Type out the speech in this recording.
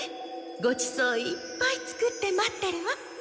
ごちそういっぱい作って待ってるわ。